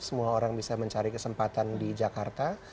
semua orang bisa mencari kesempatan di jakarta